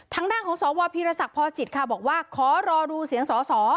ทางด้านของสวพีรศักดิ์พอจิตค่ะบอกว่าขอรอดูเสียงสอสอ